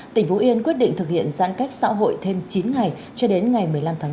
tỉnh phú yên quyết định thực hiện giãn cách xã hội thêm chín ngày cho đến ngày một mươi năm tháng bốn